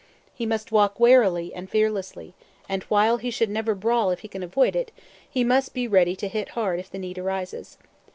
He must walk warily and fearlessly, and while he should never brawl if he can avoid it, he must be ready to hit hard if the need arises.